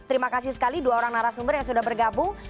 terima kasih sekali dua orang narasumber yang sudah bergabung